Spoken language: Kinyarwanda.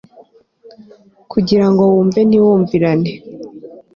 kugirango wumve ntiwumvirane